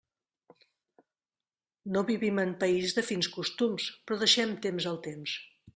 No vivim en país de fins costums, però deixem temps al temps.